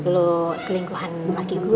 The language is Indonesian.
lo selingkuhan laki gue